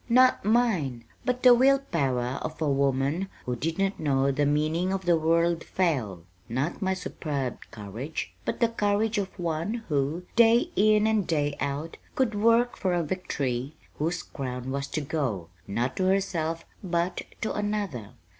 "Not mine, but the will power of a woman who did not know the meaning of the word 'fail.' Not my superb courage, but the courage of one who, day in and day out, could work for a victory whose crown was to go, not to herself, but to another.